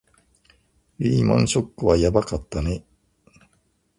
リーマンショックはやばかったね